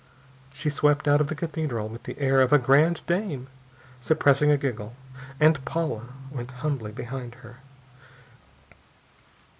She swept out of the Cathedral with the air of a grande dame suppressing a giggle, and Paula went humbly behind her.